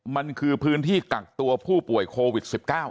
มันคือพื้นที่กักตัวผู้ป่วยโควิด๑๙